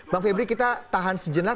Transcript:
bang febri kita tahan sejenak